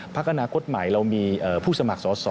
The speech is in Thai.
พักอนาคตใหม่เรามีผู้สมัครสอสอ